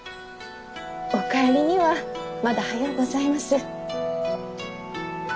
お帰りにはまだ早うございます。